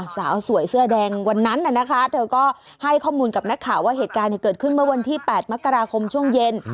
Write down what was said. สาวสวยเสื้อแดงวันนั้นนะคะเธอก็ให้ข้อมูลกับนักข่าวว่าเหตุการณ์เกิดขึ้นเมื่อวันที่๘มกราคมช่วงเย็น